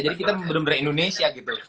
jadi kita benar benar indonesia gitu